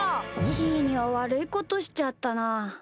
ひーにはわるいことしちゃったな。